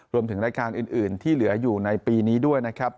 รวมถึงรายการอื่นที่เหลืออยู่ในปีนี้ด้วยนะครับ